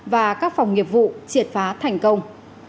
và các phòng nghiệp vụ triệt phá thành công